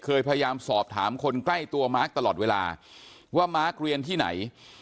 พยายามสอบถามคนใกล้ตัวมาร์คตลอดเวลาว่ามาร์คเรียนที่ไหน